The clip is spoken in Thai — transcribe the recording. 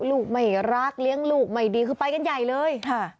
ลูกไม่รักเลี้ยงลูกไม่ดีคือไปกันใหญ่เลย